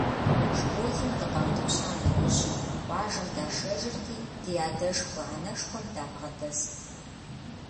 Школым дыкъаутӀыпща нэужь, къуажэм дашэжырти, ди адэшхуэ-анэшхуэм дабгъэдэст.